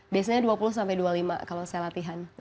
biasanya dua puluh sampai dua puluh lima kalau saya latihan